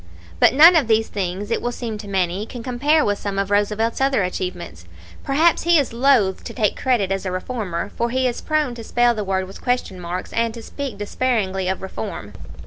"But none of these things, it will seem to many, can compare with some of Roosevelt's other achievements. Perhaps he is loath to take credit as a reformer, for he is prone to spell the word with question marks, and to speak disparagingly of 'reform.'